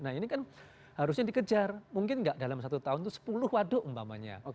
nah ini kan harusnya dikejar mungkin nggak dalam satu tahun itu sepuluh waduk umpamanya